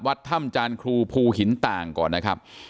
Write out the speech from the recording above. วัดถ้ำจานครูภูหินต่างก่อนนะครับ